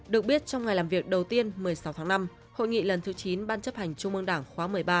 được biết trong ngày làm việc đầu tiên một mươi sáu tháng năm hội nghị lần thứ chín ban chấp hành trung ương đảng khóa một mươi ba